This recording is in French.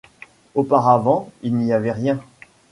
Auparavant, il n'y avait rien.